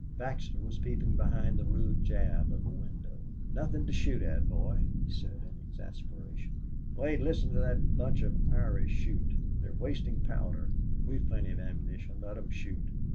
Baxter was peeping from behind the rude jamb of a window. "Nothin' to shoot at, boy," he said, in exasperation. "Wait. Listen to that bunch of Irish shoot. They're wasting powder." "We've plenty of ammunition. Let 'em shoot.